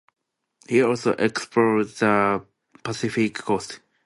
He also explored the Pacific coast.